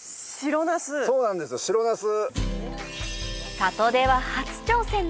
そうなんです白ナス。